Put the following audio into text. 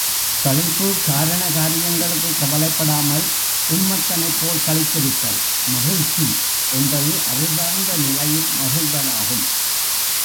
களிப்பு காரண காரியங்களுக்குக் கவலைப் படாமல் உன்மத்தனைப் போல் களித்திருத்தல், மகிழ்ச்சி, என்பது அறிவார்ந்த நிலையில் மகிழ்தலாகும்.